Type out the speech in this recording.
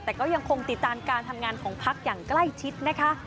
แต่ก็ยังคงติดตามการทำงานของพักอย่างใกล้ชิดนะคะ